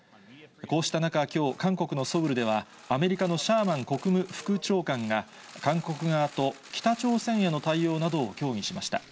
こうした中、きょう、韓国のソウルでは、アメリカのシャーマン国務副長官が、韓国側と北朝鮮への対応などを協議しました。